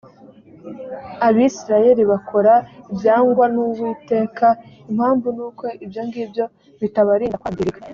abisirayeli bakora ibyangwa n uwiteka impamvu ni uko ibyo ngibyo bitabarinda kwangirika